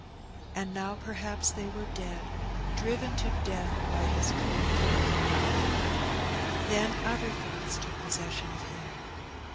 And now perhaps they were dead — driven to death by his cruelty. Then other thoughts took possession of him.